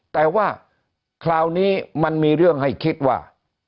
แต่ว่าคราวนี้มันมีเรื่องให้คิดว่า